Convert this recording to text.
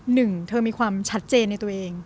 หนึ่งเธอมีความชัดเจนในตัวเอง